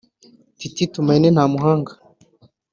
Titi Tumaini Ntamuhanga